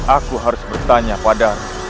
aku harus bertanya padamu